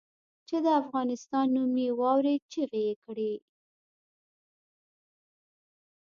چې د افغانستان نوم یې واورېد چیغې یې کړې.